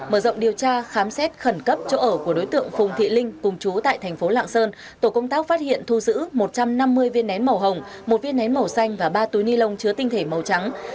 mở rộng điều tra khám xét khẩn cấp chỗ ở của đối tượng phùng thị linh cùng chú tại thành phố lạng sơn tổ công tác phát hiện thu giữ một trăm năm mươi viên nén màu hồng một viên nén màu xanh và ba túi ni lông chứa tinh thể màu trắng